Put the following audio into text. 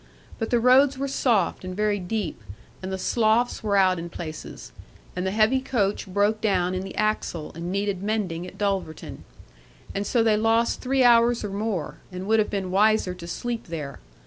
But the roads were soft and very deep, and the sloughs were out in places; and the heavy coach broke down in the axle, and needed mending at Dulverton; and so they lost three hours or more, and would have been wiser to sleep there.